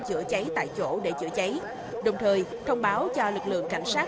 chữa cháy tại chỗ để chữa cháy đồng thời thông báo cho lực lượng cảnh sát